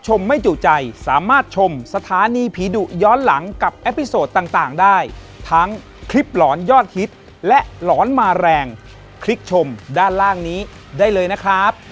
ขอบคุณมากครับขอบคุณแจ๊ก